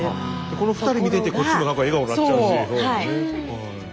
この２人見ててこっちもなんか笑顔になっちゃうし。